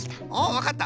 わかった！